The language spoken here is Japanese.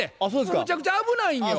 むちゃくちゃ危ないんよ。